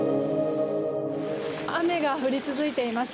雨が降り続いています。